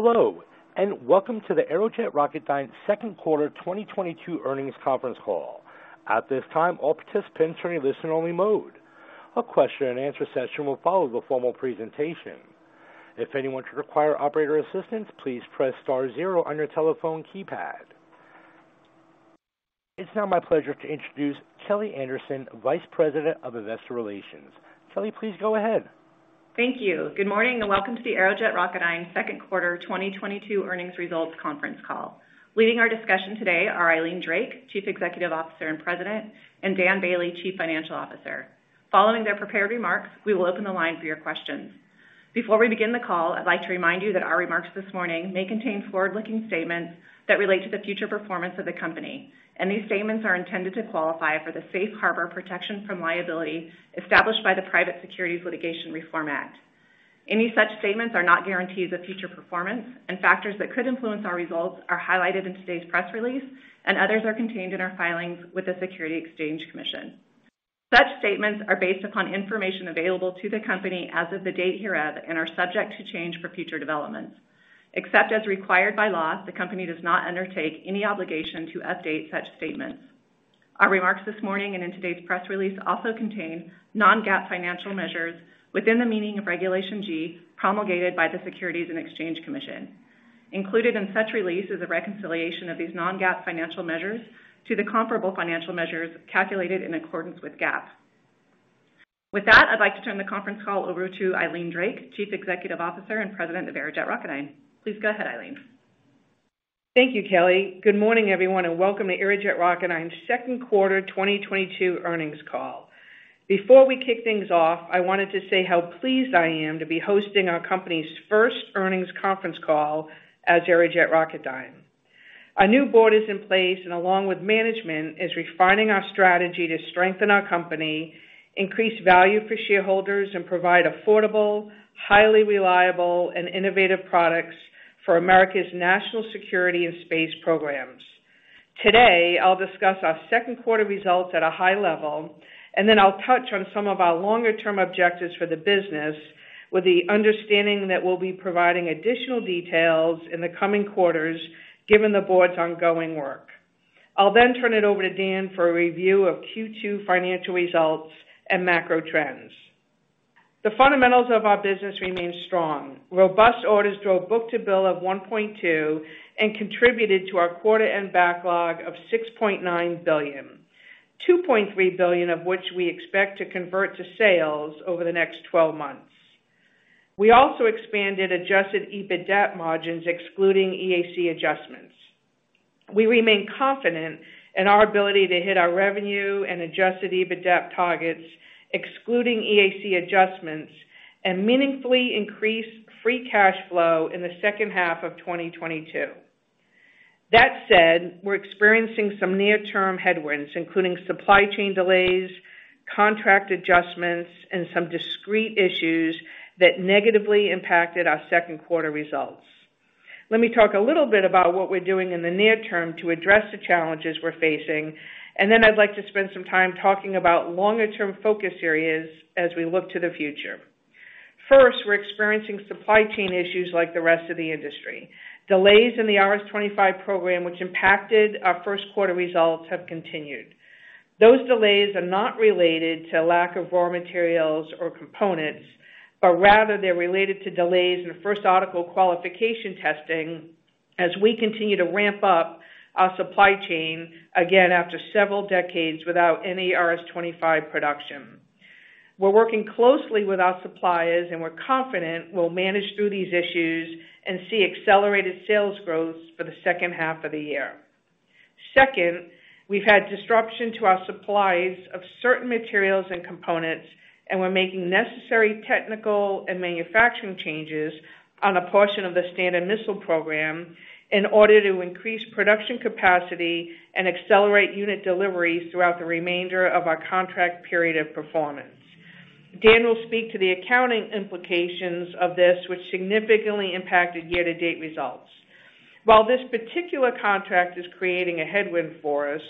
Hello, and welcome to the Aerojet Rocketdyne Second Quarter 2022 Earnings Conference Call. At this time, all participants are in listen-only mode. A question and answer session will follow the formal presentation. If anyone should require operator assistance, please press star 0 on your telephone keypad. It's now my pleasure to introduce Kelly Anderson, Vice President of Investor Relations. Kelly, please go ahead. Thank you. Good morning, and welcome to the Aerojet Rocketdyne Second Quarter 2022 Earnings Results Conference Call. Leading our discussion today are Eileen Drake, Chief Executive Officer and President, and Daniel Boehle, Chief Financial Officer. Following their prepared remarks, we will open the line for your questions. Before we begin the call, I'd like to remind you that our remarks this morning may contain forward-looking statements that relate to the future performance of the company. These statements are intended to qualify for the safe harbor protection from liability established by the Private Securities Litigation Reform Act. Any such statements are not guarantees of future performance, and factors that could influence our results are highlighted in today's press release, and others are contained in our filings with the Securities and Exchange Commission. Such statements are based upon information available to the company as of the date hereof and are subject to change for future developments. Except as required by law, the company does not undertake any obligation to update such statements. Our remarks this morning and in today's press release also contain non-GAAP financial measures within the meaning of Regulation G promulgated by the Securities and Exchange Commission. Included in such release is a reconciliation of these non-GAAP financial measures to the comparable financial measures calculated in accordance with GAAP. With that, I'd like to turn the conference call over to Eileen Drake, Chief Executive Officer and President of Aerojet Rocketdyne. Please go ahead, Eileen. Thank you, Kelly. Good morning, everyone, and welcome to Aerojet Rocketdyne Second Quarter 2022 Earnings Call. Before we kick things off, I wanted to say how pleased I am to be hosting our company's first earnings conference call as Aerojet Rocketdyne. Our new board is in place, and along with management, is refining our strategy to strengthen our company, increase value for shareholders, and provide affordable, highly reliable, and innovative products for America's national security and space programs. Today, I'll discuss our second quarter results at a high level, and then I'll touch on some of our longer-term objectives for the business with the understanding that we'll be providing additional details in the coming quarters given the board's ongoing work. I'll then turn it over to Dan for a review of Q2 financial results and macro trends. The fundamentals of our business remain strong. Robust orders drove book-to-bill of 1.2 and contributed to our quarter end backlog of $6.9 billion. $2.3 billion of which we expect to convert to sales over the next 12 months. We also expanded Adjusted EBITDA margins excluding EAC adjustments. We remain confident in our ability to hit our revenue and Adjusted EBITDA targets, excluding EAC adjustments, and meaningfully increase free cash flow in the second half of 2022. That said, we're experiencing some near-term headwinds, including supply chain delays, contract adjustments, and some discrete issues that negatively impacted our second quarter results. Let me talk a little bit about what we're doing in the near term to address the challenges we're facing, and then I'd like to spend some time talking about longer-term focus areas as we look to the future. First, we're experiencing supply chain issues like the rest of the industry. Delays in the RS-25 program, which impacted our first quarter results, have continued. Those delays are not related to lack of raw materials or components, but rather they're related to delays in first article qualification testing as we continue to ramp up our supply chain, again, after several decades without any RS-25 production. We're working closely with our suppliers, and we're confident we'll manage through these issues and see accelerated sales growth for the second half of the year. Second, we've had disruption to our supplies of certain materials and components, and we're making necessary technical and manufacturing changes on a portion of the Standard Missile program in order to increase production capacity and accelerate unit deliveries throughout the remainder of our contract period of performance. Dan will speak to the accounting implications of this, which significantly impacted year-to-date results. While this particular contract is creating a headwind for us,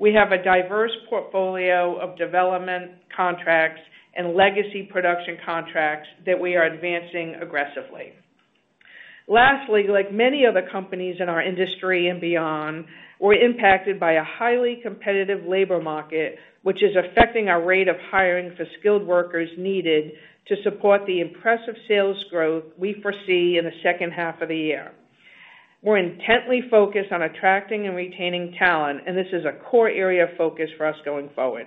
we have a diverse portfolio of development contracts and legacy production contracts that we are advancing aggressively. Lastly, like many other companies in our industry and beyond, we're impacted by a highly competitive labor market, which is affecting our rate of hiring for skilled workers needed to support the impressive sales growth we foresee in the second half of the year. We're intently focused on attracting and retaining talent, and this is a core area of focus for us going forward.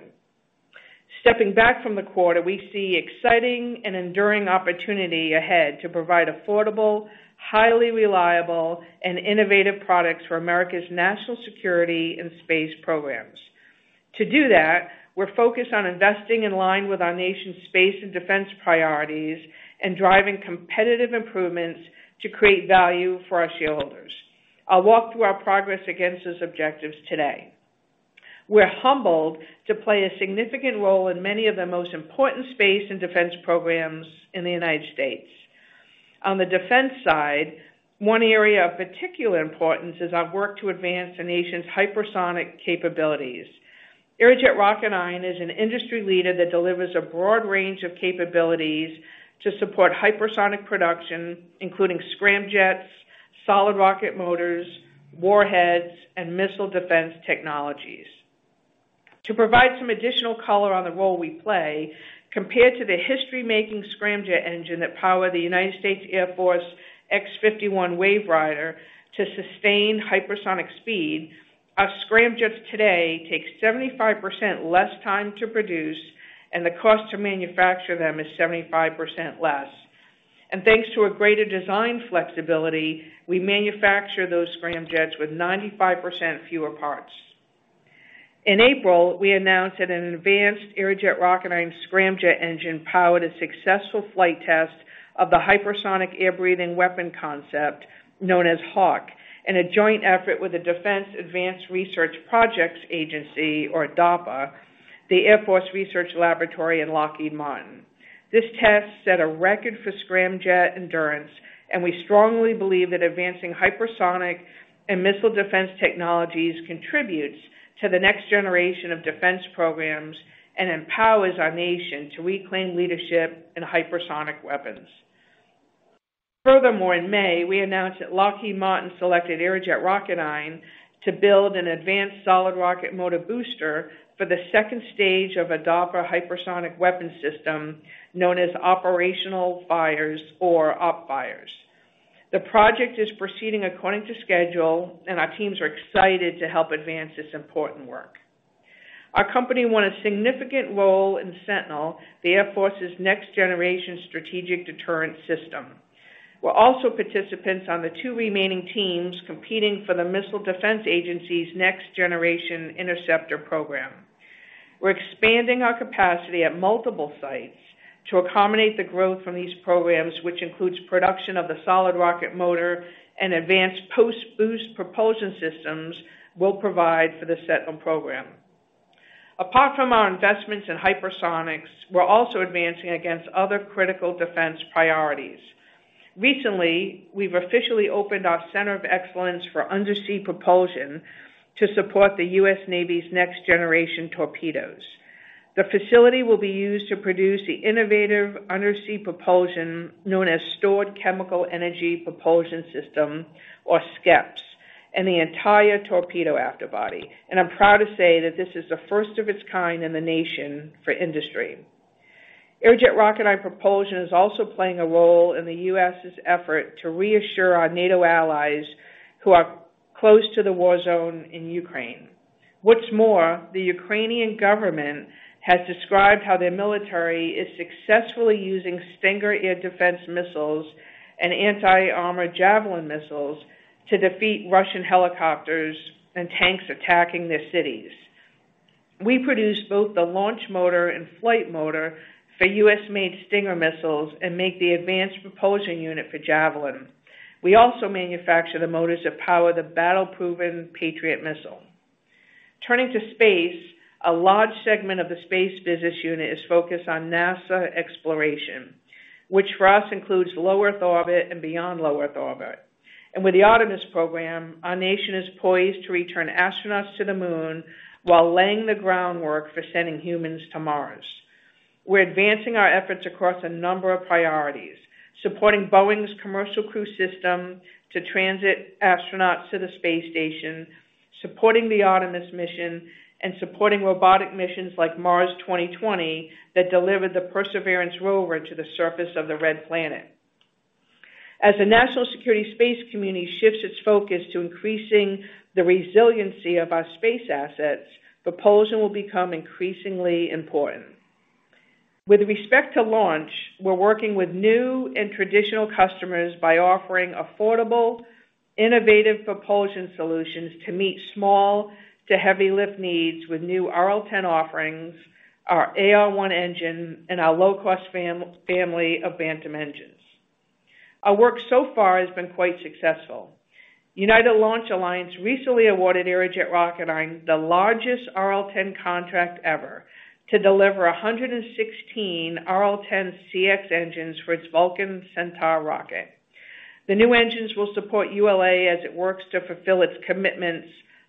Stepping back from the quarter, we see exciting and enduring opportunity ahead to provide affordable, highly reliable, and innovative products for America's national security and space programs. To do that, we're focused on investing in line with our nation's space and defense priorities and driving competitive improvements to create value for our shareholders. I'll walk through our progress against those objectives today. We're humbled to play a significant role in many of the most important space and defense programs in the United States. On the defense side, one area of particular importance is our work to advance the nation's hypersonic capabilities. Aerojet Rocketdyne is an industry leader that delivers a broad range of capabilities to support hypersonic production, including scramjets, solid rocket motors, warheads, and missile defense technologies. To provide some additional color on the role we play, compared to the history-making scramjet engine that powered the United States Air Force X-51A WaveRider to sustain hypersonic speed, our scramjets today takes 75% less time to produce, and the cost to manufacture them is 75% less. Thanks to a greater design flexibility, we manufacture those scramjets with 95% fewer parts. In April, we announced that an advanced Aerojet Rocketdyne scramjet engine powered a successful flight test of the Hypersonic Air-breathing Weapon Concept known as HAWC, in a joint effort with the Defense Advanced Research Projects Agency, or DARPA, the Air Force Research Laboratory, and Lockheed Martin. This test set a record for scramjet endurance, and we strongly believe that advancing hypersonic and missile defense technologies contributes to the next generation of defense programs and empowers our nation to reclaim leadership in hypersonic weapons. Furthermore, in May, we announced that Lockheed Martin selected Aerojet Rocketdyne to build an advanced solid rocket motor booster for the second stage of a DARPA hypersonic weapons system known as Operational Fires, or OpFires. The project is proceeding according to schedule, and our teams are excited to help advance this important work. Our company won a significant role in Sentinel, the Air Force's next-generation strategic deterrent system. We're also participants on the two remaining teams competing for the Missile Defense Agency's Next Generation Interceptor program. We're expanding our capacity at multiple sites to accommodate the growth from these programs, which includes production of the solid rocket motor and advanced post-boost propulsion systems we'll provide for the Sentinel program. Apart from our investments in hypersonics, we're also advancing against other critical defense priorities. Recently, we've officially opened our Center of Excellence for Undersea Propulsion to support the U.S. Navy's next-generation torpedoes. The facility will be used to produce the innovative undersea propulsion, known as Stored Chemical Energy Propulsion System, or SCEPS, and the entire torpedo afterbody. I'm proud to say that this is the first of its kind in the nation for industry. Aerojet Rocketdyne Propulsion is also playing a role in the U.S.'s effort to reassure our NATO allies who are close to the war zone in Ukraine. What's more, the Ukrainian government has described how their military is successfully using Stinger air defense missiles and anti-armor Javelin missiles to defeat Russian helicopters and tanks attacking their cities. We produce both the launch motor and flight motor for U.S.-made Stinger missiles and make the advanced propulsion unit for Javelin. We also manufacture the motors that power the battle-proven Patriot missile. Turning to space, a large segment of the space business unit is focused on NASA exploration, which for us includes low Earth orbit and beyond low Earth orbit. With the Artemis program, our nation is poised to return astronauts to the Moon while laying the groundwork for sending humans to Mars. We're advancing our efforts across a number of priorities, supporting Boeing's commercial crew system to transit astronauts to the space station, supporting the Artemis mission, and supporting robotic missions like Mars 2020 that delivered the Perseverance rover to the surface of the Red Planet. As the National Security Space Community shifts its focus to increasing the resiliency of our space assets, propulsion will become increasingly important. With respect to launch, we're working with new and traditional customers by offering affordable, innovative propulsion solutions to meet small to heavy lift needs with new RL10 offerings, our AR1 engine, and our low-cost family of Bantam engines. Our work so far has been quite successful. United Launch Alliance recently awarded Aerojet Rocketdyne the largest RL10 contract ever to deliver 116 RL10C-X engines for its Vulcan Centaur rocket. The new engines will support ULA as it works to fulfill its commitments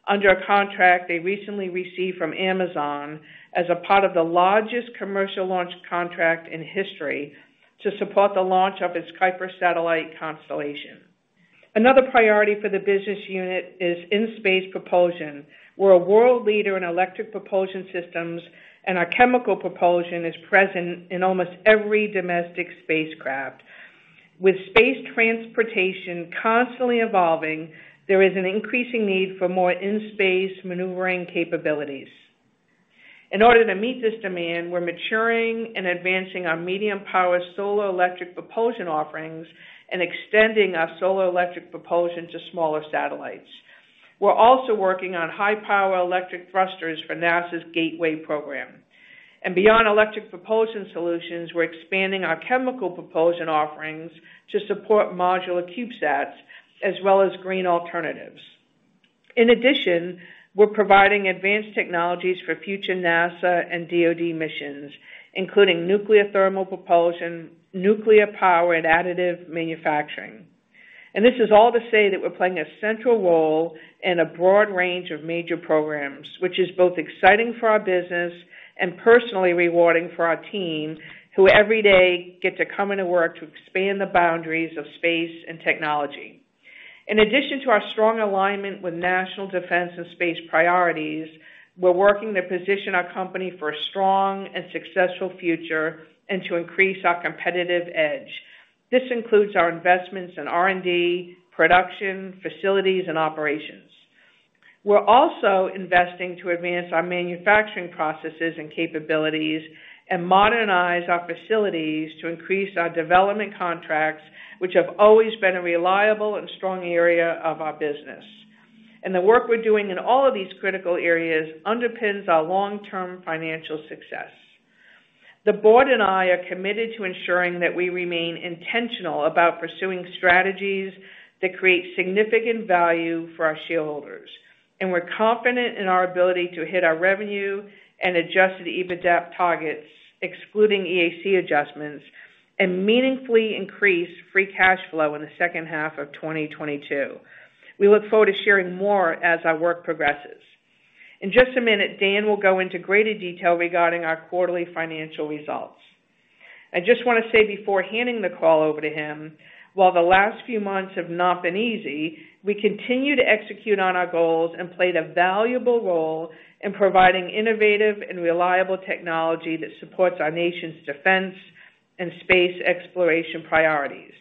under a contract they recently received from Amazon as a part of the largest commercial launch contract in history to support the launch of its Kuiper satellite constellation. Another priority for the business unit is in-space propulsion. We're a world leader in electric propulsion systems, and our chemical propulsion is present in almost every domestic spacecraft. With space transportation constantly evolving, there is an increasing need for more in-space maneuvering capabilities. In order to meet this demand, we're maturing and advancing our medium-power solar electric propulsion offerings and extending our solar electric propulsion to smaller satellites. We're also working on high-power electric thrusters for NASA's Gateway program. Beyond electric propulsion solutions, we're expanding our chemical propulsion offerings to support modular CubeSats as well as green alternatives. In addition, we're providing advanced technologies for future NASA and DoD missions, including nuclear thermal propulsion, nuclear-powered additive manufacturing. This is all to say that we're playing a central role in a broad range of major programs, which is both exciting for our business and personally rewarding for our team, who every day get to come into work to expand the boundaries of space and technology. In addition to our strong alignment with national defense and space priorities, we're working to position our company for a strong and successful future and to increase our competitive edge. This includes our investments in R&D, production, facilities, and operations. We're also investing to advance our manufacturing processes and capabilities and modernize our facilities to increase our development contracts, which have always been a reliable and strong area of our business. The work we're doing in all of these critical areas underpins our long-term financial success. The board and I are committed to ensuring that we remain intentional about pursuing strategies that create significant value for our shareholders. We're confident in our ability to hit our revenue and Adjusted EBITDA targets, excluding EAC adjustments, and meaningfully increase free cash flow in the second half of 2022. We look forward to sharing more as our work progresses. In just a minute, Dan will go into greater detail regarding our quarterly financial results. I just wanna say before handing the call over to him, while the last few months have not been easy, we continue to execute on our goals and played a valuable role in providing innovative and reliable technology that supports our nation's defense and space exploration priorities.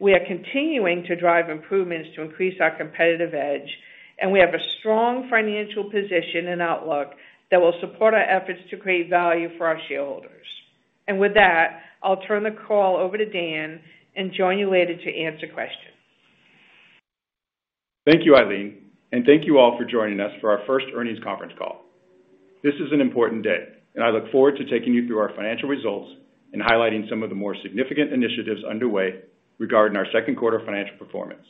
We are continuing to drive improvements to increase our competitive edge, and we have a strong financial position and outlook that will support our efforts to create value for our shareholders. With that, I'll turn the call over to Dan and join you later to answer questions. Thank you, Eileen. Thank you all for joining us for our first earnings conference call. This is an important day, and I look forward to taking you through our financial results and highlighting some of the more significant initiatives underway regarding our second quarter financial performance.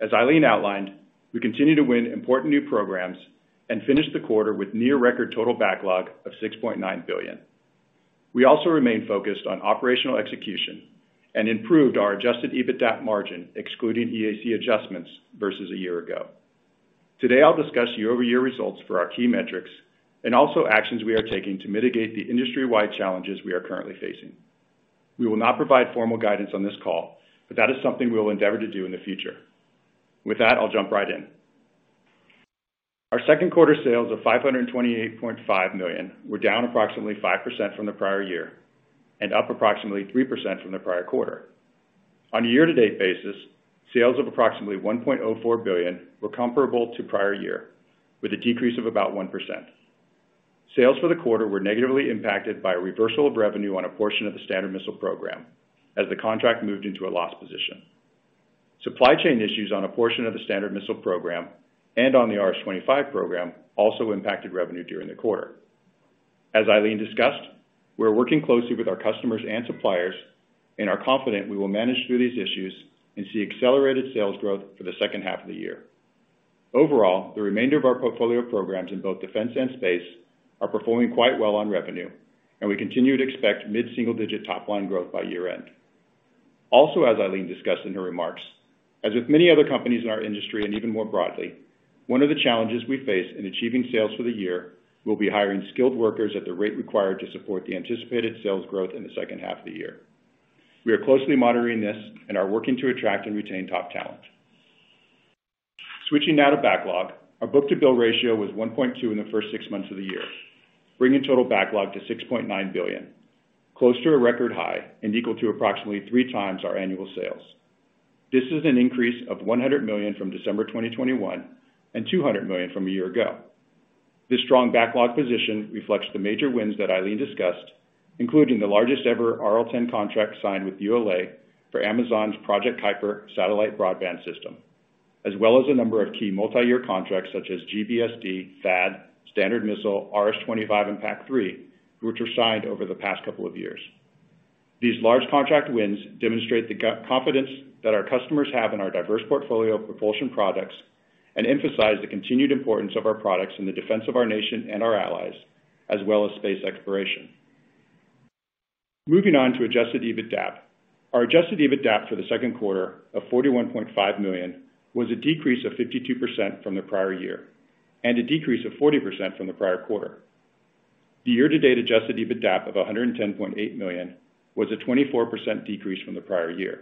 As Eileen outlined, we continue to win important new programs and finish the quarter with near record total backlog of $6.9 billion. We also remain focused on operational execution and improved our Adjusted EBITDA margin, excluding EAC adjustments versus a year ago. Today, I'll discuss year-over-year results for our key metrics and also actions we are taking to mitigate the industry-wide challenges we are currently facing. We will not provide formal guidance on this call, but that is something we will endeavor to do in the future. With that, I'll jump right in. Our second quarter sales of $528.5 million were down approximately 5% from the prior year and up approximately 3% from the prior quarter. On a year-to-date basis, sales of approximately $1.04 billion were comparable to prior year, with a decrease of about 1%. Sales for the quarter were negatively impacted by a reversal of revenue on a portion of the Standard Missile Program, as the contract moved into a loss position. Supply chain issues on a portion of the Standard Missile Program and on the RS-25 program also impacted revenue during the quarter. As Eileen discussed, we're working closely with our customers and suppliers and are confident we will manage through these issues and see accelerated sales growth for the second half of the year. Overall, the remainder of our portfolio of programs in both defense and space are performing quite well on revenue, and we continue to expect mid-single-digit top line growth by year-end. Also, as Eileen discussed in her remarks, as with many other companies in our industry and even more broadly, one of the challenges we face in achieving sales for the year will be hiring skilled workers at the rate required to support the anticipated sales growth in the second half of the year. We are closely monitoring this and are working to attract and retain top talent. Switching now to backlog. Our book-to-bill ratio was 1.2 in the first six months of the year, bringing total backlog to $6.9 billion, close to a record high and equal to approximately three times our annual sales. This is an increase of $100 million from December 2021 and $200 million from a year ago. This strong backlog position reflects the major wins that Eileen discussed, including the largest ever RL10 contract signed with ULA for Amazon's Project Kuiper satellite broadband system, as well as a number of key multi-year contracts such as GBSD, MDA, Standard Missile, RS-25, and PAC-3, which were signed over the past couple of years. These large contract wins demonstrate the confidence that our customers have in our diverse portfolio of propulsion products and emphasize the continued importance of our products in the defense of our nation and our allies, as well as space exploration. Moving on to Adjusted EBITDA. Our Adjusted EBITDA for the second quarter of $41.5 million was a decrease of 52% from the prior year and a decrease of 40% from the prior quarter. The year-to-date Adjusted EBITDA of $110.8 million was a 24% decrease from the prior year.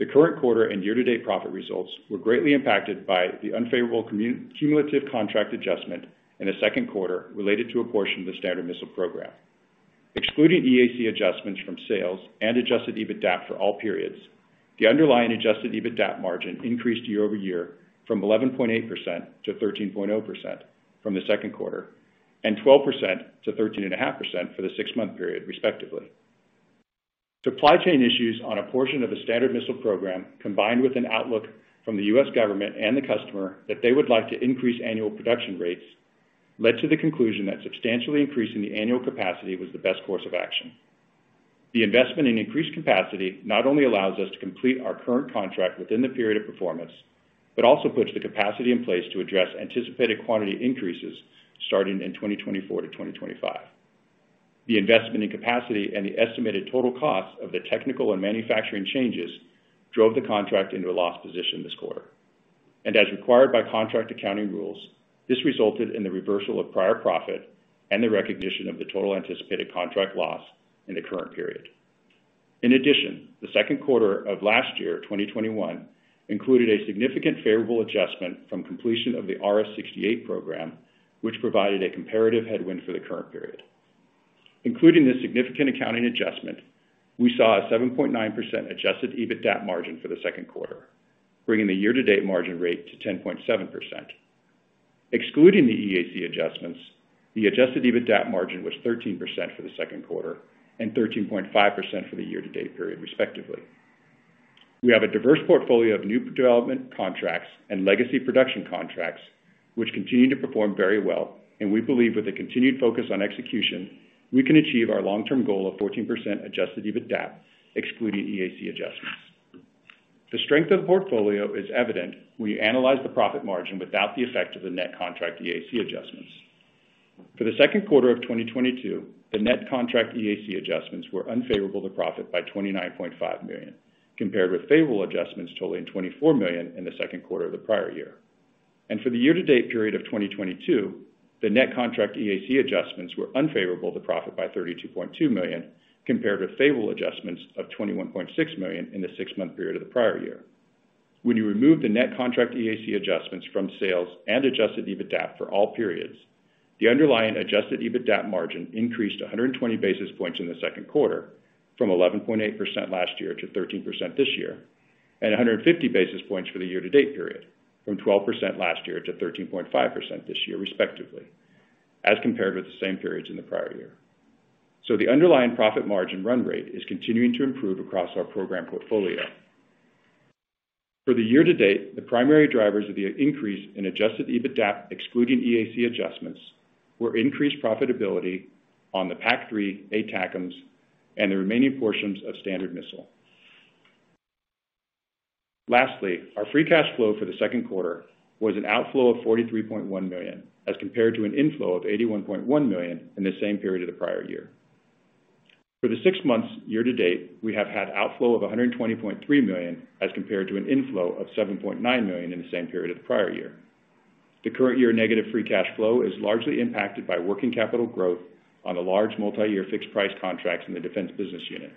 The current quarter and year-to-date profit results were greatly impacted by the unfavorable cumulative contract adjustment in the second quarter related to a portion of the Standard Missile Program. Excluding EAC adjustments from sales and Adjusted EBITDA for all periods, the underlying Adjusted EBITDA margin increased year-over-year from 11.8%-13.0% from the second quarter, and 12%-13.5% for the six-month period, respectively. Supply chain issues on a portion of the Standard Missile Program, combined with an outlook from the U.S. government and the customer that they would like to increase annual production rates, led to the conclusion that substantially increasing the annual capacity was the best course of action. The investment in increased capacity not only allows us to complete our current contract within the period of performance, but also puts the capacity in place to address anticipated quantity increases starting in 2024-2025. The investment in capacity and the estimated total cost of the technical and manufacturing changes drove the contract into a loss position this quarter. As required by contract accounting rules, this resulted in the reversal of prior profit and the recognition of the total anticipated contract loss in the current period. In addition, the second quarter of last year, 2021, included a significant favorable adjustment from completion of the RS-68 program, which provided a comparative headwind for the current period. Including this significant accounting adjustment, we saw a 7.9% Adjusted EBITDAP margin for the second quarter, bringing the year-to-date margin rate to 10.7%. Excluding the EAC adjustments, the Adjusted EBITDAP margin was 13% for the second quarter and 13.5% for the year-to-date period, respectively. We have a diverse portfolio of new development contracts and legacy production contracts, which continue to perform very well. We believe with a continued focus on execution, we can achieve our long-term goal of 14% Adjusted EBITDAP, excluding EAC adjustments. The strength of the portfolio is evident when you analyze the profit margin without the effect of the net contract EAC adjustments. For the second quarter of 2022, the net contract EAC adjustments were unfavorable to profit by $29.5 million, compared with favorable adjustments totaling $24 million in the second quarter of the prior year. For the year-to-date period of 2022, the net contract EAC adjustments were unfavorable to profit by $32.2 million, compared with favorable adjustments of $21.6 million in the six-month period of the prior year. When you remove the net contract EAC adjustments from sales and Adjusted EBITDA for all periods, the underlying adjusted EBITDA margin increased 120 basis points in the second quarter, from 11.8% last year to 13% this year, and 150 basis points for the year-to-date period, from 12% last year to 13.5% this year, respectively, as compared with the same periods in the prior year. The underlying profit margin run rate is continuing to improve across our program portfolio. For the year-to-date, the primary drivers of the increase in Adjusted EBITDA excluding EAC adjustments were increased profitability on the PAC-3, ATACMS, and the remaining portions of Standard Missile. Lastly, our free cash flow for the second quarter was an outflow of $43.1 million, as compared to an inflow of $81.1 million in the same period of the prior year. For the six months year to date, we have had outflow of $120.3 million, as compared to an inflow of $7.9 million in the same period of the prior year. The current year negative free cash flow is largely impacted by working capital growth on the large multi-year fixed price contracts in the defense business unit.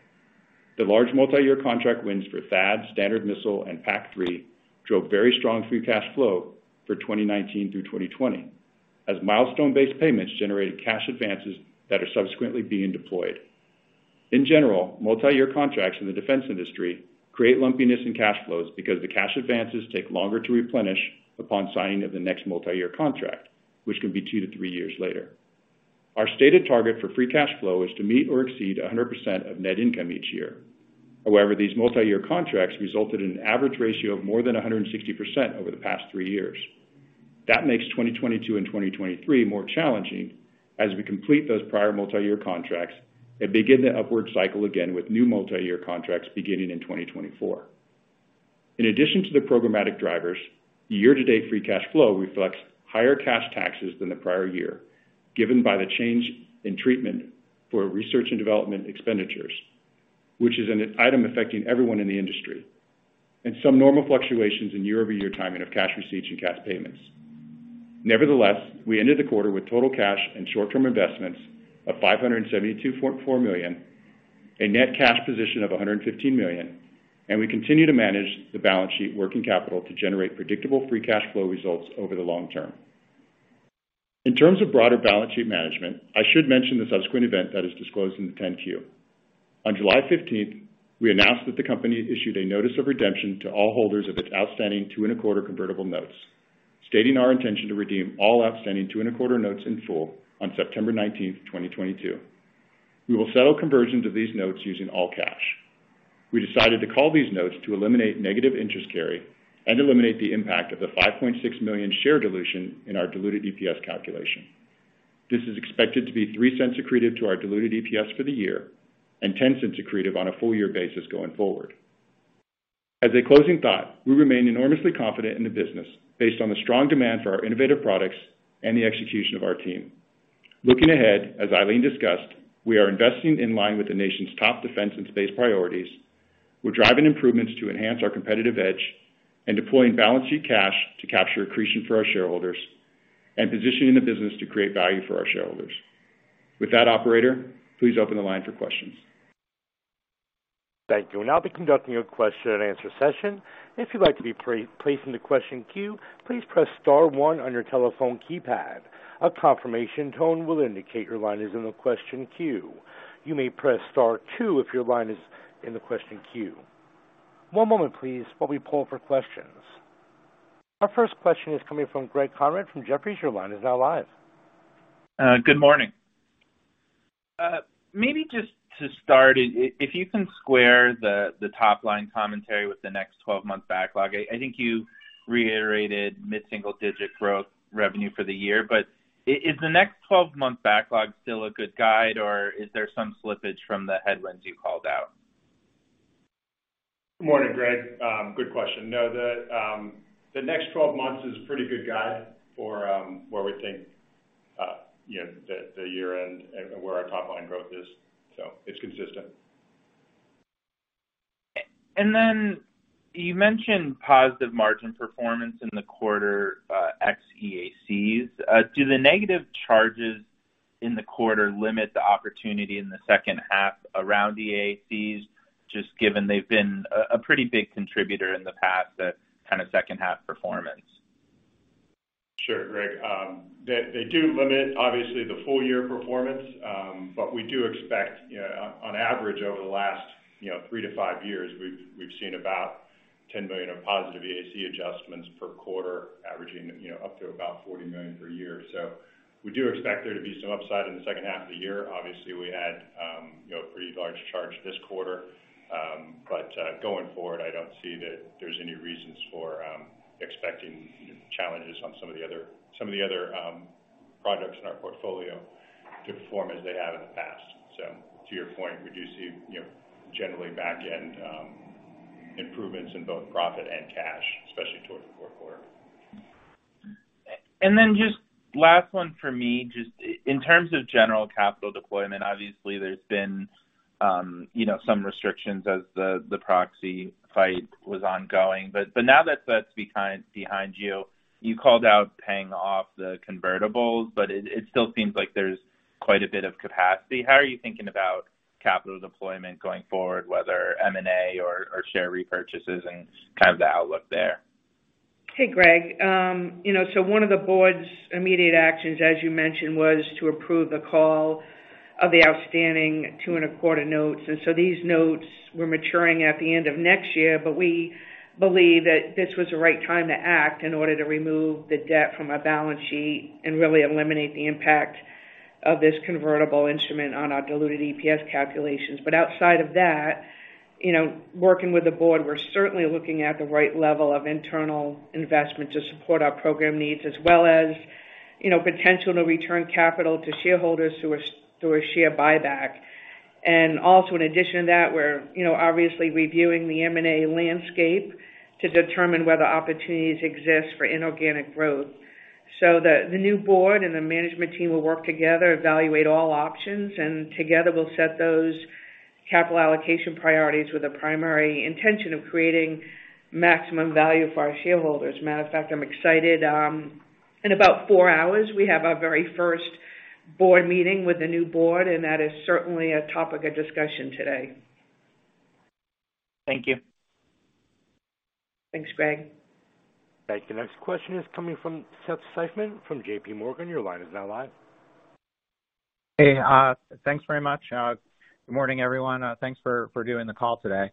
The large multi-year contract wins for THAAD, Standard Missile, and PAC-3 drove very strong free cash flow for 2019 through 2020, as milestone-based payments generated cash advances that are subsequently being deployed. In general, multi-year contracts in the defense industry create lumpiness in cash flows because the cash advances take longer to replenish upon signing of the next multi-year contract, which can be 2-3 years later. Our stated target for free cash flow is to meet or exceed 100% of net income each year. However, these multi-year contracts resulted in an average ratio of more than 160% over the past three years. That makes 2022 and 2023 more challenging as we complete those prior multi-year contracts and begin the upward cycle again with new multi-year contracts beginning in 2024. In addition to the programmatic drivers, year-to-date free cash flow reflects higher cash taxes than the prior year, given by the change in treatment for research and development expenditures, which is an item affecting everyone in the industry, and some normal fluctuations in year-over-year timing of cash receipts and cash payments. Nevertheless, we ended the quarter with total cash and short-term investments of $572.4 million, a net cash position of $115 million, and we continue to manage the balance sheet working capital to generate predictable free cash flow results over the long term. In terms of broader balance sheet management, I should mention the subsequent event that is disclosed in the 10-Q. On July 15, we announced that the company issued a notice of redemption to all holders of its outstanding 2.25% convertible notes, stating our intention to redeem all outstanding 2.25% notes in full on September 19, 2022. We will settle conversions of these notes using all cash. We decided to call these notes to eliminate negative interest carry and eliminate the impact of the 5.6 million share dilution in our diluted EPS calculation. This is expected to be 3 cents accretive to our diluted EPS for the year and 10 cents accretive on a full year basis going forward. As a closing thought, we remain enormously confident in the business based on the strong demand for our innovative products and the execution of our team. Looking ahead, as Eileen discussed, we are investing in line with the nation's top defense and space priorities. We're driving improvements to enhance our competitive edge and deploying balance sheet cash to capture accretion for our shareholders and positioning the business to create value for our shareholders. With that, operator, please open the line for questions. Thank you. We'll now be conducting a question and answer session. If you'd like to be pre-placed in the question queue, please press star 1 on your telephone keypad. A confirmation tone will indicate your line is in the question queue. You may press star 2 if your line is in the question queue. One moment, please, while we poll for questions. Our first question is coming from Greg Konrad from Jefferies. Your line is now live. Good morning. Maybe just to start, if you can square the top-line commentary with the next 12-month backlog. I think you reiterated mid-single digit growth revenue for the year, but is the next 12-month backlog still a good guide, or is there some slippage from the headwinds you called out? Good morning, Greg. Good question. No, the 12 months is a pretty good guide for where we think, you know, the year-end and where our top line growth is. It's consistent. You mentioned positive margin performance in the quarter, ex EACs. Do the negative charges in the quarter limit the opportunity in the second half around EACs, just given they've been a pretty big contributor in the past, that kind of second half performance? Sure, Greg. They do limit obviously the full year performance, but we do expect, you know, on average over the last, you know, 3-5 years, we've seen about $10 million of positive EAC adjustments per quarter, averaging, you know, up to about $40 million per year. We do expect there to be some upside in the second half of the year. Obviously, we had, you know, a pretty large charge this quarter. But going forward, I don't see that there's any reasons for expecting challenges on some of the other projects in our portfolio to perform as they have in the past. To your point, we do see, you know, generally back-end improvements in both profit and cash, especially towards the fourth quarter. Then just last one for me, just in terms of general capital deployment, obviously there's been, you know, some restrictions as the proxy fight was ongoing. But now that that's behind you called out paying off the convertibles, but it still seems like there's quite a bit of capacity. How are you thinking about capital deployment going forward, whether M&A or share repurchases and kind of the outlook there? Hey, Greg. One of the board's immediate actions, as you mentioned, was to approve the call of the outstanding 2.25% notes. These notes were maturing at the end of next year, but we believe that this was the right time to act in order to remove the debt from our balance sheet and really eliminate the impact of this convertible instrument on our diluted EPS calculations. Outside of that, you know, working with the board, we're certainly looking at the right level of internal investment to support our program needs, as well as, you know, potential to return capital to shareholders through a share buyback. In addition to that, we're, you know, obviously reviewing the M&A landscape to determine whether opportunities exist for inorganic growth. The new board and the management team will work together, evaluate all options, and together we'll set those capital allocation priorities with the primary intention of creating maximum value for our shareholders. Matter of fact, I'm excited, in about four hours, we have our very first board meeting with the new board, and that is certainly a topic of discussion today. Thank you. Thanks, Greg. Thank you. Next question is coming from Seth Seifman from JPMorgan. Your line is now live. Hey, thanks very much. Good morning, everyone, thanks for doing the call today.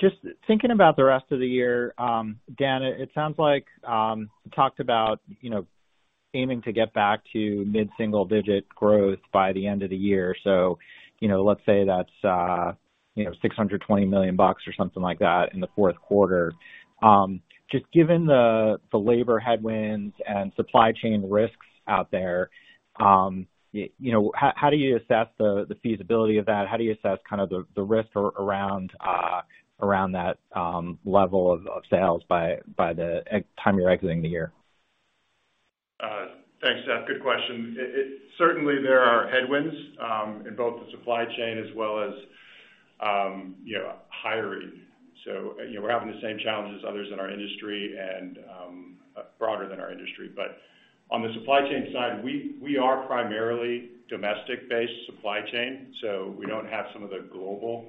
Just thinking about the rest of the year, Dan, it sounds like you talked about, you know, aiming to get back to mid-single digit growth by the end of the year. You know, let's say that's, you know, $620 million or something like that in the fourth quarter. Just given the labor headwinds and supply chain risks out there, you know, how do you assess the feasibility of that? How do you assess kind of the risk around that level of sales by the time you're exiting the year? Thanks, Seth. Good question. Certainly there are headwinds in both the supply chain as well as, you know, hiring. You know, we're having the same challenges as others in our industry and broader than our industry. On the supply chain side, we are primarily domestic-based supply chain, so we don't have some of the global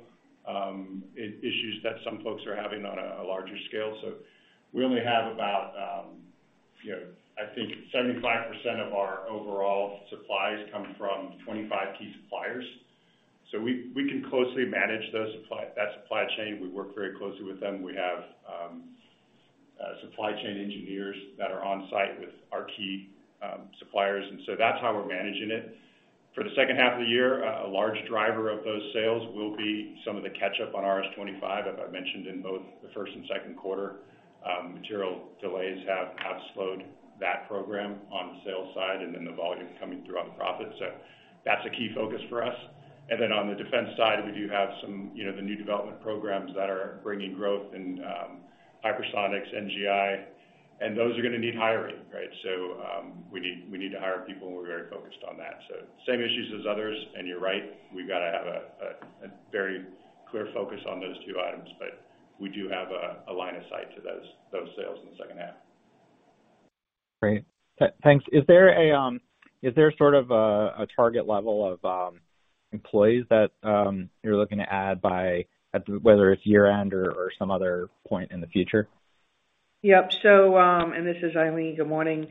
issues that some folks are having on a larger scale. We only have about, you know, I think 75% of our overall supplies come from 25 key suppliers. We can closely manage that supply chain. We work very closely with them. We have supply chain engineers that are on site with our key suppliers, and so that's how we're managing it. For the second half of the year, a large driver of those sales will be some of the catch-up on RS-25. As I mentioned in both the first and second quarter, material delays have slowed that program on the sales side and then the volume coming through on profit. That's a key focus for us. Then on the defense side, we do have some, you know, the new development programs that are bringing growth in hypersonics, NGI, and those are gonna need hiring, right? We need to hire people, and we're very focused on that. Same issues as others, and you're right, we've got to have a very clear focus on those two items, but we do have a line of sight to those sales in the second half. Great. Thanks. Is there sort of a target level of employees that you're looking to add by whether it's year-end or some other point in the future? Yep. This is Eileen. Good morning.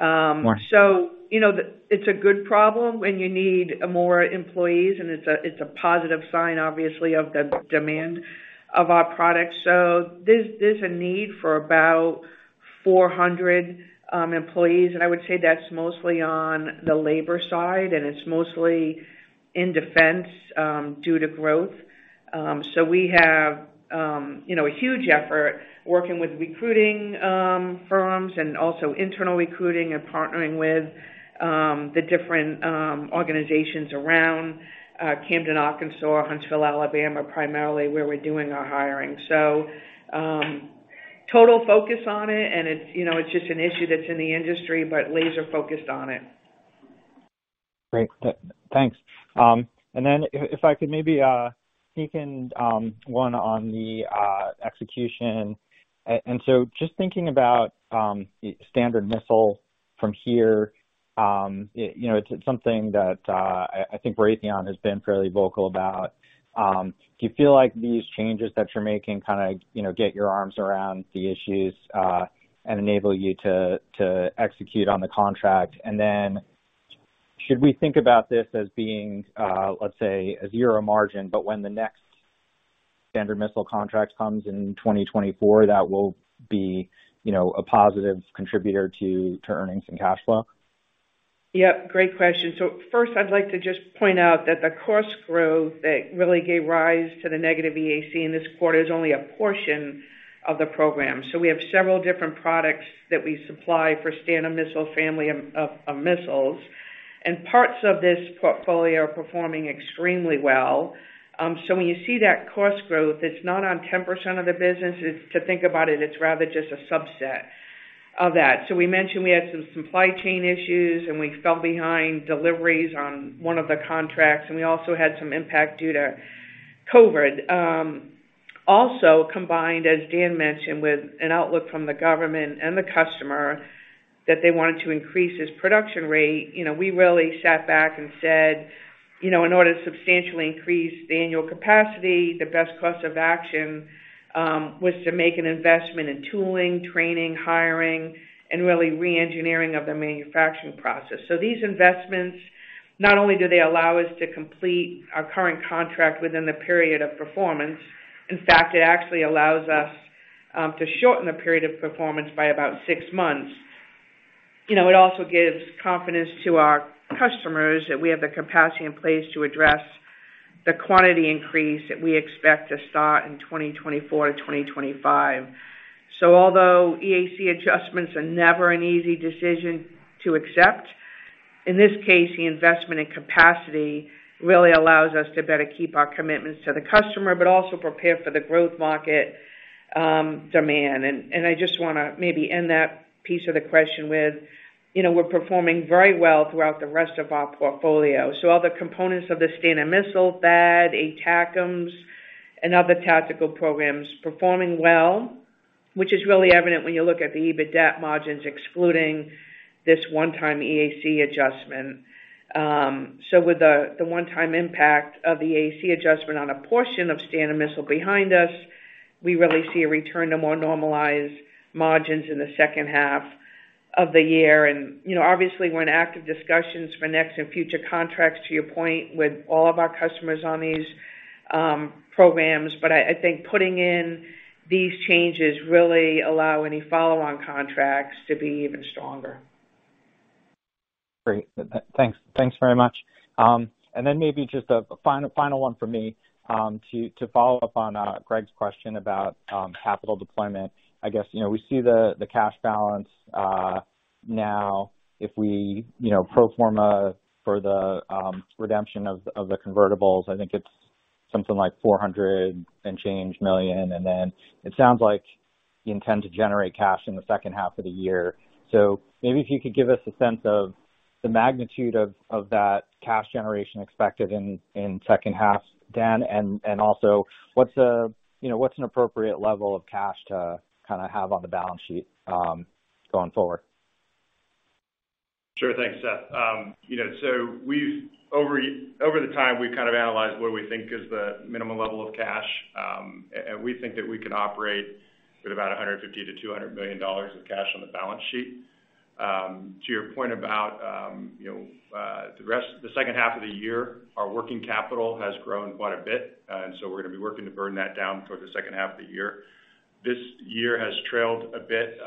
Morning. You know, it's a good problem when you need more employees, and it's a positive sign, obviously, of the demand of our products. There's a need for about 400 employees. I would say that's mostly on the labor side, and it's mostly in defense due to growth. We have you know, a huge effort working with recruiting firms and also internal recruiting and partnering with the different organizations around Camden, Arkansas, Huntsville, Alabama, primarily where we're doing our hiring. Total focus on it, and it's you know, it's just an issue that's in the industry, but laser focused on it. Great. Thanks. If I could maybe sneak in one on the execution. Just thinking about Standard Missile from here, it you know it's something that I think Raytheon has been fairly vocal about. Do you feel like these changes that you're making kinda you know get your arms around the issues and enable you to execute on the contract? Should we think about this as being let's say a 0 margin, but when the next Standard Missile contract comes in 2024, that will be you know a positive contributor to earnings and cash flow? Yeah, great question. First, I'd like to just point out that the cost growth that really gave rise to the negative EAC in this quarter is only a portion of the program. We have several different products that we supply for Standard Missile family of missiles, and parts of this portfolio are performing extremely well. When you see that cost growth, it's not on 10% of the business. It's to think about it's rather just a subset of that. We mentioned we had some supply chain issues, and we fell behind deliveries on one of the contracts, and we also had some impact due to COVID. Also combined, as Dan mentioned, with an outlook from the government and the customer that they wanted to increase this production rate. You know, we really sat back and said, you know, in order to substantially increase the annual capacity, the best course of action was to make an investment in tooling, training, hiring, and really re-engineering of the manufacturing process. These investments, not only do they allow us to complete our current contract within the period of performance, in fact, it actually allows us to shorten the period of performance by about six months. You know, it also gives confidence to our customers that we have the capacity in place to address the quantity increase that we expect to start in 2024 to 2025. Although EAC adjustments are never an easy decision to accept, in this case, the investment in capacity really allows us to better keep our commitments to the customer, but also prepare for the growth market demand. I just wanna maybe end that piece of the question with, you know, we're performing very well throughout the rest of our portfolio. All the components of the Standard Missile, THAAD, ATACMS, and other tactical programs performing well, which is really evident when you look at the EBITDA margins excluding this one-time EAC adjustment. With the one-time impact of the EAC adjustment on a portion of Standard Missile behind us, we really see a return to more normalized margins in the second half of the year. Obviously we're in active discussions for next and future contracts, to your point, with all of our customers on these programs. I think putting in these changes really allow any follow-on contracts to be even stronger. Great. Thanks very much. Then maybe just a final one from me. To follow up on Greg's question about capital deployment. I guess, you know, we see the cash balance now if we, you know, pro forma for the redemption of the convertibles, I think it's something like $400 and change million. Then it sounds like you intend to generate cash in the second half of the year. Maybe if you could give us a sense of the magnitude of that cash generation expected in second half, Dan. Also what's a, you know, what's an appropriate level of cash to kinda have on the balance sheet going forward? Sure. Thanks, Seth. You know, we've over time, we've kind of analyzed what we think is the minimum level of cash. We think that we can operate with about $150 million-$200 million of cash on the balance sheet. To your point about, you know, the second half of the year, our working capital has grown quite a bit. We're gonna be working to burn that down for the second half of the year. This year has trailed a bit,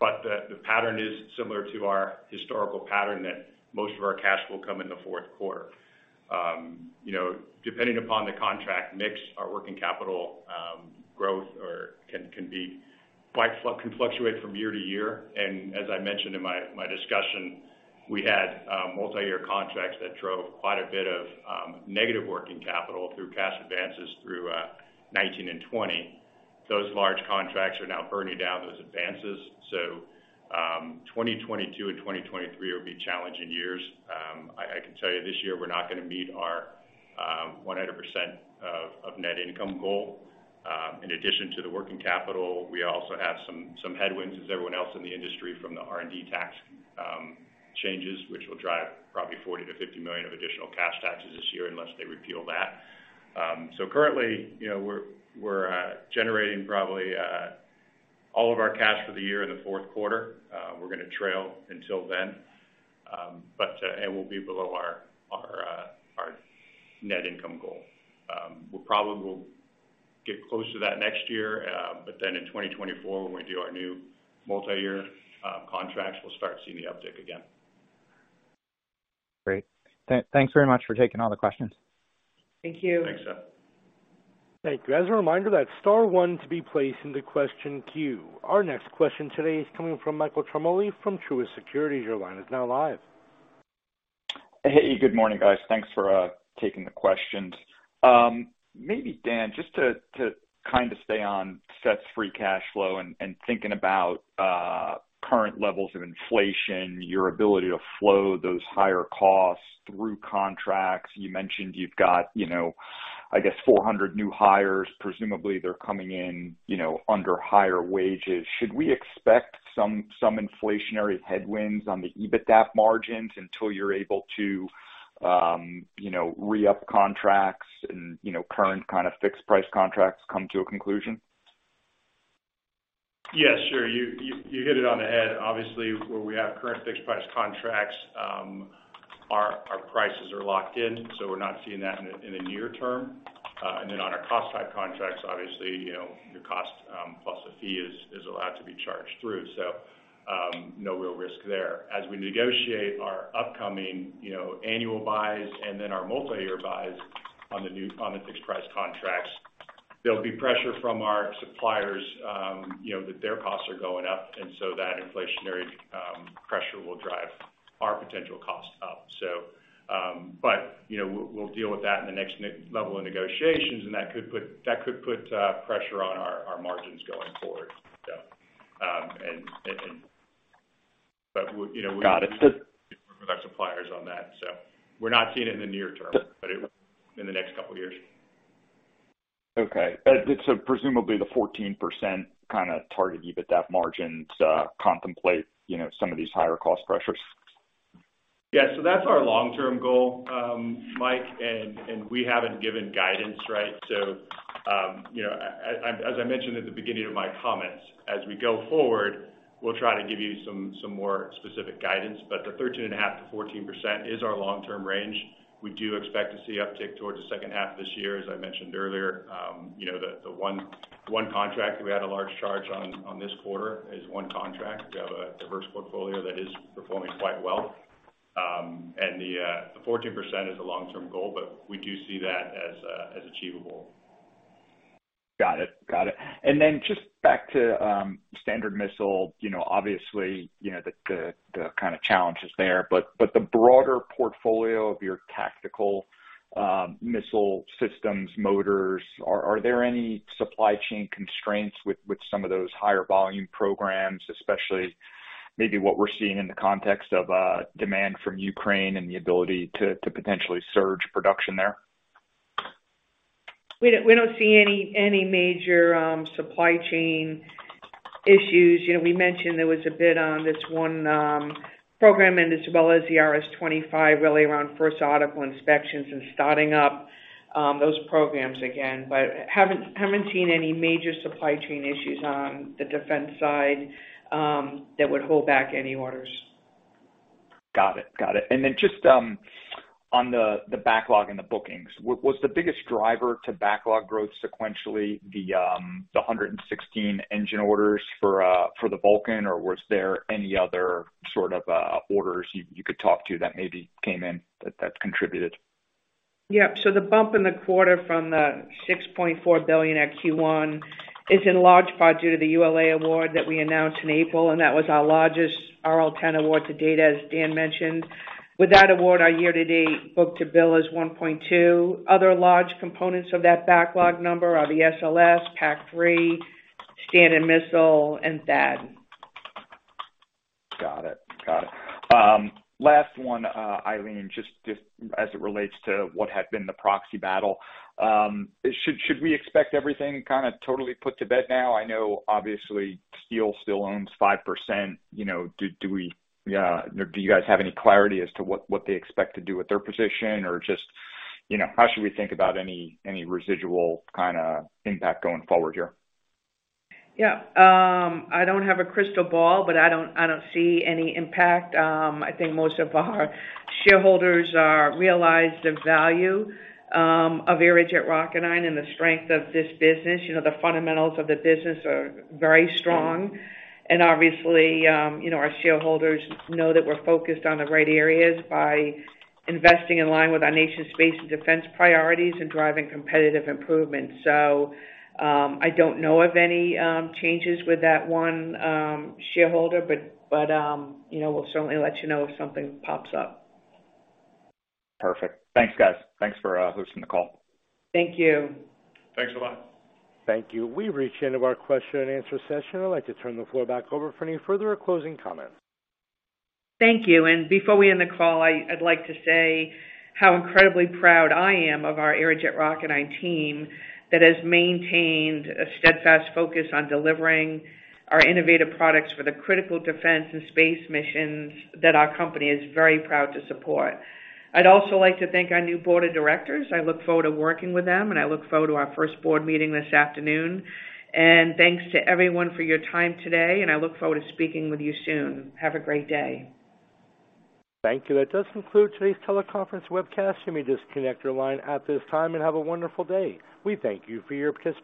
but the pattern is similar to our historical pattern that most of our cash will come in the fourth quarter. You know, depending upon the contract mix, our working capital growth or can be quite can fluctuate from year to year. As I mentioned in my discussion, we had multi-year contracts that drove quite a bit of negative working capital through cash advances through 2019 and 2020. Those large contracts are now burning down those advances. 2022 and 2023 will be challenging years. I can tell you this year we're not gonna meet our 100% of net income goal. In addition to the working capital, we also have some headwinds as everyone else in the industry from the R&D tax changes, which will drive probably $40 million-$50 million of additional cash taxes this year unless they repeal that. Currently, you know, we're generating probably all of our cash for the year in the fourth quarter. We're gonna trail until then. We'll be below our net income goal. We'll probably get close to that next year. In 2024, when we do our new multi-year contracts, we'll start seeing the uptick again. Great. Thanks very much for taking all the questions. Thank you. Thanks, Seth. Thank you. As a reminder, that's star 1 to be placed into question queue. Our next question today is coming from Michael Ciarmoli from Truist Securities. Your line is now live. Hey, good morning, guys. Thanks for taking the questions. Maybe Dan, just to kind of stay on Seth's free cash flow and thinking about current levels of inflation, your ability to flow those higher costs through contracts. You mentioned you've got, you know, I guess 400 new hires, presumably they're coming in, you know, under higher wages. Should we expect some inflationary headwinds on the EBITDA margins until you're able to, you know, re-up contracts and, you know, current kind of fixed price contracts come to a conclusion? Yeah, sure. You hit it on the head. Obviously, where we have current fixed price contracts, our prices are locked in, so we're not seeing that in the near term. On our cost type contracts, obviously, you know, your cost plus a fee is allowed to be charged through. No real risk there. As we negotiate our upcoming, you know, annual buys and then our multi-year buys on the fixed price contracts, there'll be pressure from our suppliers, you know, that their costs are going up, and so that inflationary pressure will drive our potential cost up. You know, we'll deal with that in the next level of negotiations and that could put pressure on our margins going forward. So, and, and, and... But you know, we- Got it. With our suppliers on that. We're not seeing it in the near term, but it will in the next couple years. Presumably the 14% kinda target EBITDA margins contemplate, you know, some of these higher cost pressures? Yeah. That's our long-term goal, Mike, and we haven't given guidance, right? You know, as I mentioned at the beginning of my comments, as we go forward, we'll try to give you some more specific guidance. The 13.5%-14% is our long-term range. We do expect to see uptick towards the second half of this year. As I mentioned earlier, you know, the one contract we had a large charge on this quarter is one contract. We have a diverse portfolio that is performing quite well. The 14% is a long-term goal, but we do see that as achievable. Got it. Just back to Standard Missile. You know, obviously, you know, the kind of challenges there, but the broader portfolio of your tactical missile systems, motors, are there any supply chain constraints with some of those higher volume programs, especially maybe what we're seeing in the context of demand from Ukraine and the ability to potentially surge production there? We don't see any major supply chain issues. You know, we mentioned there was a bit on this one program and as well as the RS-25, really around first article inspections and starting up those programs again. Haven't seen any major supply chain issues on the defense side that would hold back any orders. Got it. Just on the backlog and the bookings, was the biggest driver to backlog growth sequentially the 116 engine orders for the Vulcan or was there any other sort of orders you could talk to that maybe came in that contributed? Yeah. The bump in the quarter from the $6.4 billion at Q1 is in large part due to the ULA award that we announced in April, and that was our largest RL10 award to date, as Dan mentioned. With that award, our year-to-date book-to-bill is 1.2. Other large components of that backlog number are the SLS, PAC-3, Standard Missile, and THAAD. Got it. Last one, Eileen, just as it relates to what had been the proxy battle. Should we expect everything kinda totally put to bed now? I know obviously Steel still owns 5%. You know, do you guys have any clarity as to what they expect to do with their position? Or just, you know, how should we think about any residual kinda impact going forward here? Yeah. I don't have a crystal ball, but I don't see any impact. I think most of our shareholders are realizing the value of Aerojet Rocketdyne and the strength of this business. You know, the fundamentals of the business are very strong. Obviously, you know, our shareholders know that we're focused on the right areas by investing in line with our nation's space and defense priorities and driving competitive improvement. I don't know of any changes with that one shareholder, but you know, we'll certainly let you know if something pops up. Perfect. Thanks, guys. Thanks for hosting the call. Thank you. Thanks a lot. Thank you. We've reached the end of our question and answer session. I'd like to turn the floor back over for any further closing comments. Thank you. Before we end the call, I'd like to say how incredibly proud I am of our Aerojet Rocketdyne team that has maintained a steadfast focus on delivering our innovative products for the critical defense and space missions that our company is very proud to support. I'd also like to thank our new board of directors. I look forward to working with them, and I look forward to our first board meeting this afternoon. Thanks to everyone for your time today, and I look forward to speaking with you soon. Have a great day. Thank you. That does conclude today's teleconference webcast. You may disconnect your line at this time, and have a wonderful day. We thank you for your participation.